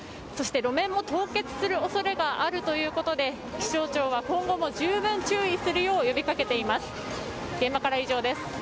そして、路面も凍結する恐れがあるということで気象庁は今後も十分注意するよう呼びかけています。